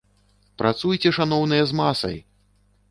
Працуйце, шаноўныя, з масай!